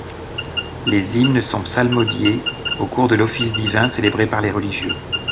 Les hymnes sont psalmodiées au cours de l'office divin célébré par les religieux.